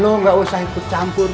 lo gak usah ikut campur